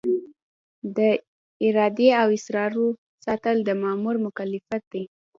د ادارې د اسرارو ساتل د مامور مکلفیت دی.